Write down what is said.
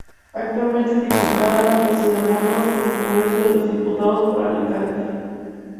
Actualmente, es diputada de Ciudadanos en el Congreso de los Diputados por Alicante.